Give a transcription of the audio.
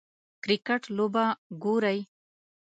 کریکټ لوبه ګورئ